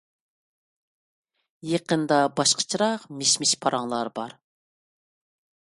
يېقىندا باشقىچىراق مىش-مىش پاراڭلار بار.